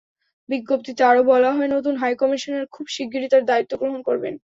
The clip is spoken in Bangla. বিজ্ঞপ্তিতে আরও বলা হয়, নতুন হাইকমিশনার খুব শিগগিরই তাঁর দায়িত্ব গ্রহণ করবেন।